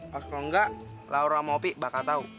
kalau enggak laura sama opi bakal tahu